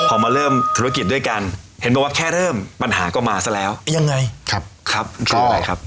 พอมาเริ่มธุรกิจด้วยกันเห็นบอกว่าแค่เริ่มปัญหาก็มาซะแล้วยังไงครับครับคืออะไรครับ